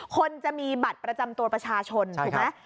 คนจะมีบัตรประจำตัวประชาชนถูกไหม